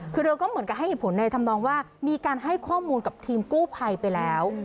คือเธอก็เหมือนกับให้เหตุผลในธรรมนองว่ามีการให้ข้อมูลกับทีมกู้ภัยไปแล้ว